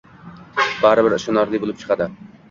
Baribir ishonarli bo'lib chiqadi